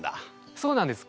そうなんです。